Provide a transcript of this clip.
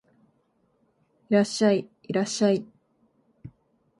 いらっしゃい、いらっしゃい